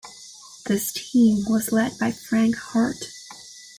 This team was led by Frank Heart.